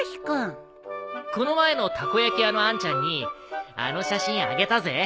この前のたこ焼き屋のあんちゃんにあの写真あげたぜ。